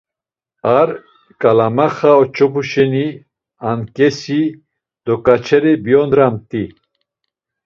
Ar ǩalmaxa oç̌opu şeni anǩesi dokaçeri biondamt̆i.